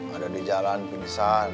ada di jalan pingsan